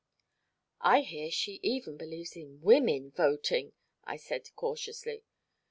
"I hear she even believes in women voting," I said cautiously.